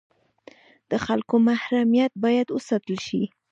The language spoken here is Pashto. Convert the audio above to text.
د خلکو محرمیت باید وساتل شي